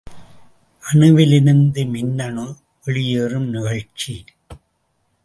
அணுவிலிருந்து மின்னணு வெளியேறும் நிகழ்ச்சி.